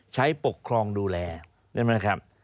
ใช้ปกครองดูแลได้มั้ยครับ